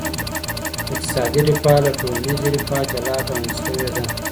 اقتصادي رفاه له ټولنیزې رفاه جلا ګڼل سوي ده.